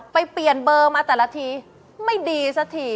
ไปเปลี่ยนเบอร์มาแต่ละทีไม่ดีสักที